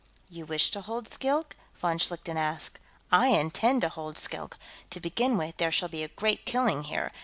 "You wish to hold Skilk?" von Schlichten asked. "I intend to hold Skilk. To begin with, there shall be a great killing here.